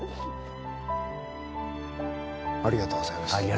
ありがとうございます